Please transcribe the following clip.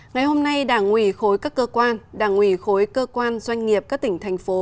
ngày hôm nay đảng ủy khối các cơ quan đảng ủy khối cơ quan doanh nghiệp các tỉnh thành phố